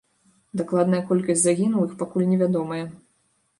Дакладная колькасць загінулых пакуль невядомая.